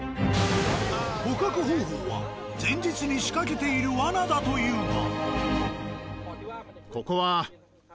捕獲方法は前日に仕掛けている罠だというが。